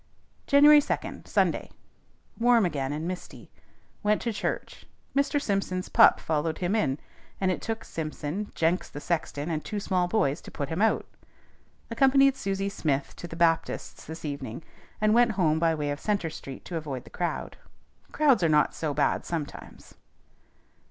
_ =JANUARY 2, SUNDAY.= Warm again and misty. _Went to church. Mr. Simpson's pup followed him in; and it took Simpson, Jenks the sexton, and two small boys, to put him out._ _Accompanied Susie Smith to the Baptist's this evening, and went home by way of Centre Street to avoid the crowd. Crowds are not so bad sometimes.